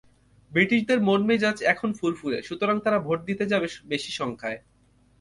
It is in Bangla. ব্রিটিশদের মন-মেজাজ এখন ফুরফুরে, সুতরাং তারা ভোট দিতে যাবে বেশি সংখ্যায়।